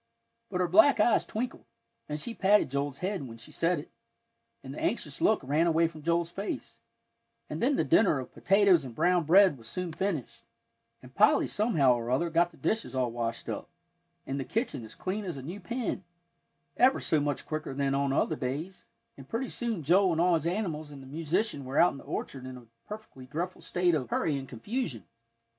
But her black eyes twinkled, and she patted Joel's head when she said it, and the anxious look ran away from Joel's face; and then the dinner of potatoes and brown bread was soon finished, and Polly somehow or other got the dishes all washed up, and the kitchen as clean as a new pin, ever so much quicker than on other days, and pretty soon Joel and all his animals and the musician were out in the orchard in a perfectly dreadful state of hurry and confusion.